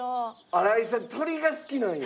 新井さん鳥が好きなんや。